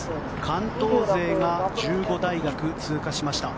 関東勢が１５大学通過しました。